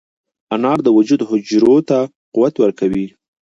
انار د وجود حجرو ته قوت ورکوي.